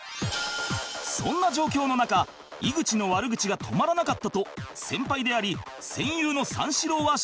そんな状況の中井口の悪口が止まらなかったと先輩であり戦友の三四郎は証言する